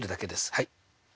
はい。